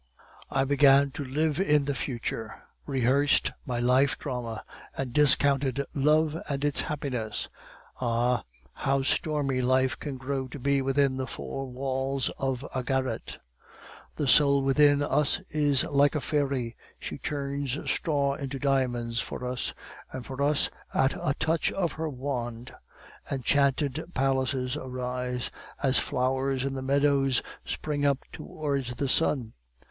I began to live in the future, rehearsed my life drama, and discounted love and its happiness. Ah, how stormy life can grow to be within the four walls of a garret! The soul within us is like a fairy; she turns straw into diamonds for us; and for us, at a touch of her wand, enchanted palaces arise, as flowers in the meadows spring up towards the sun.